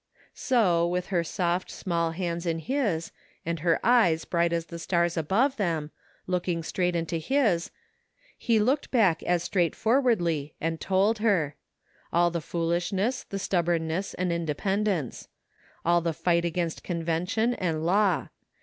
* So, with her soft small hands in his, and her eyes 85 THE FINDING OF JASPER HOLT bright as the stars above them, looking straight into his, he looked back as straightforwardly and told her. All the foolishness, the stubbornness, and independence. All the fight against convention and law.